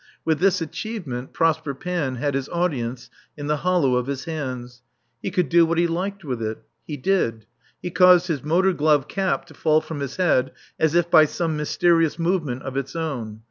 With this achievement Prosper Panne had his audience in the hollow of his hands. He could do what he liked with it. He did. He caused his motor glove cap to fall from his head as if by some mysterious movement of its own.